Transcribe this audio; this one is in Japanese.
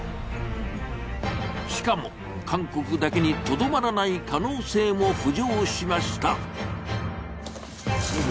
しかも、韓国だけにとどまらない可能性も浮上しました。